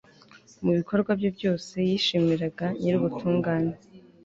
mu bikorwa bye byose, yashimiraga nyir'ubutungane